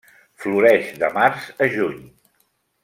Floreix de març a juny.